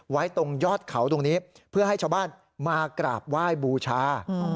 ไว้ตรงยอดเขาตรงนี้เพื่อให้ชาวบ้านมากราบไหว้บูชา